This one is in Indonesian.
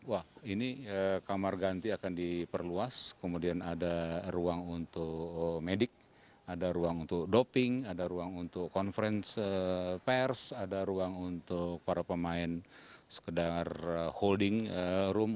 wah ini kamar ganti akan diperluas kemudian ada ruang untuk medik ada ruang untuk doping ada ruang untuk conference pers ada ruang untuk para pemain sekedar holding room